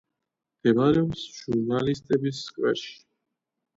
მდებარეობს ჟურნალისტების სკვერში.